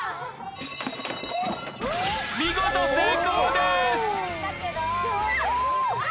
見事成功です！